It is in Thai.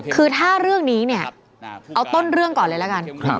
คือถ้าเรื่องนี้เนี่ยเอาต้นเรื่องก่อนเลยละกัน